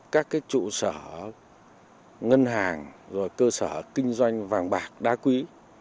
các trụ sở ngân hàng rồi cơ sở kinh doanh vàng bạc đá quý